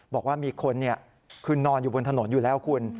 บอกว่ามีคนคือนอนอยู่บนถนนอยู่แล้วคุณ